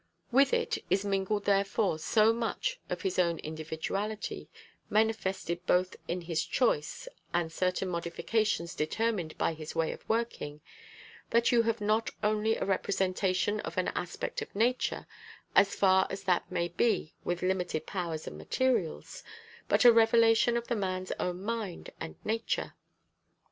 With it is mingled therefore so much of his own individuality, manifested both in this choice and certain modifications determined by his way of working, that you have not only a representation of an aspect of nature, as far as that may be with limited powers and materials, but a revelation of the man's own mind and nature.